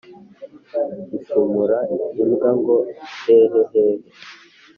bishumura imbwa ngo hehehe